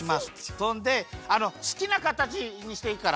そんですきなかたちにしていいから。